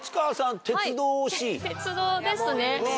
はい鉄道ですね。